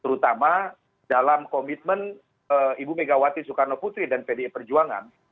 terutama dalam komitmen ibu megawati soekarno putri dan pdi perjuangan